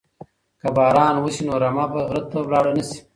که باران وشي نو رمه به غره ته لاړه نشي.